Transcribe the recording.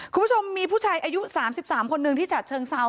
คุณผู้ชมมีผู้ชายอายุ๓๓คนหนึ่งที่ฉัดเชิงเซา